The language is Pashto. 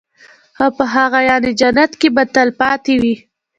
او په هغه يعني جنت كي به تل تلپاتي وي